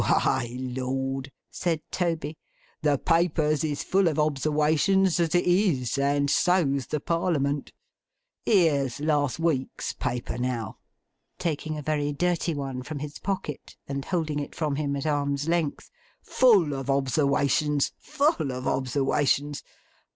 'Why! Lord!' said Toby. 'The Papers is full of obserwations as it is; and so's the Parliament. Here's last week's paper, now;' taking a very dirty one from his pocket, and holding it from him at arm's length; 'full of obserwations! Full of obserwations!